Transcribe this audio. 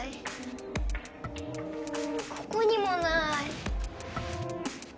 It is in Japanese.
ここにもない。